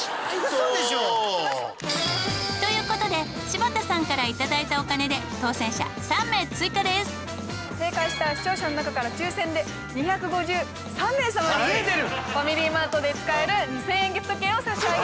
嘘でしょ？という事で柴田さんからいただいたお金で正解した視聴者の中から抽選で２５３名様にファミリーマートで使える２０００円ギフト券を差し上げます。